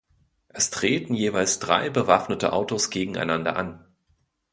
Es treten jeweils drei bewaffnete Autos gegeneinander an.